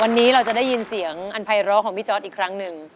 วันนี้เราจะได้ยินเสียงอันภัยร้อของพี่จอร์ดอีกครั้งหนึ่ง